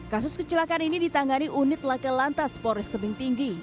kasus kecelakaan ini ditangani unit laka lantas pores tebing tinggi